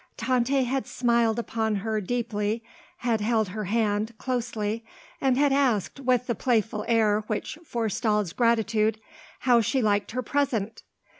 Tante had smiled upon her, deeply, had held her hand, closely, and had asked, with the playful air which forestalls gratitude, how she liked her present.